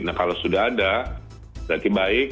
nah kalau sudah ada berarti baik